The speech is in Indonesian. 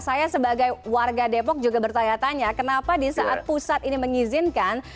saya sebagai warga depok juga bertanya tanya kenapa di saat pusat ini mengizinkan